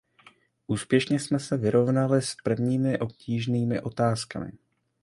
Úspěšně jsme se vyrovnali s prvními obtížnými otázkami.